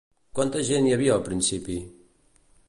Quanta gent hi havia al principi?